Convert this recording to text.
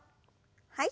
はい。